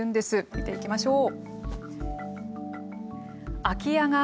見ていきましょう。